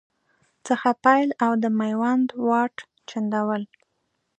څخه پیل او د میوند واټ، چنداول